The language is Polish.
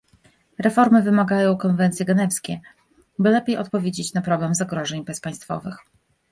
Reformy wymagają konwencje genewskie, by lepiej odpowiedzieć na problem zagrożeń bezpaństwowych